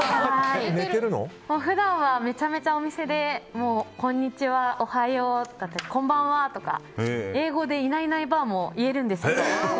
普段はめちゃめちゃお店でこんにちは、おはようだったりこんばんはとか英語で、いないいないばあも言えるんです。